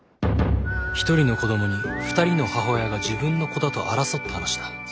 １人の子どもに２人の母親が自分の子だと争った話だ。